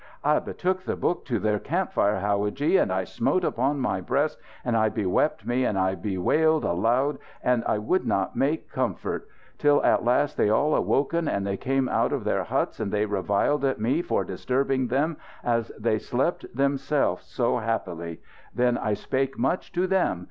"I betook the book to their campfire, howadji, and I smote upon my breast and I bewept me and I wailed aloud and I would not make comfort. Till at last they all awoken and they came out of their huts and they reviled at me for disturbing them as they slept themselfs so happily. Then I spake much to them.